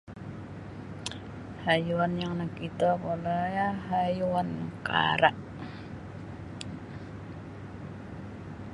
Haiwan yang nokitokulaah haiwan kara'.